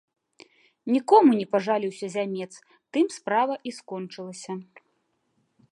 Нікому не пажаліўся зямец, тым справа і скончылася.